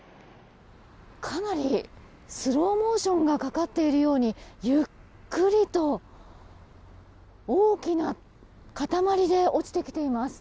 かなりスローモーションがかかっているようにゆっくりと大きな塊で落ちてきています。